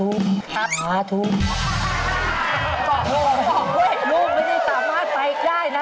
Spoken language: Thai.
ลูกไม่ได้สามารถไปได้นะ